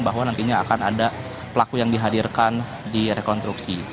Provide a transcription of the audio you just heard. bahwa nantinya akan ada pelaku yang dihadirkan di rekonstruksi